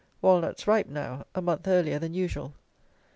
Walnuts ripe now, a month earlier than usual.